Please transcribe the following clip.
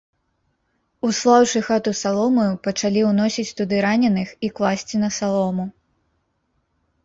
Услаўшы хату саломаю, пачалі ўносіць туды раненых і класці на салому.